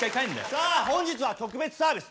さあ本日は特別サービス。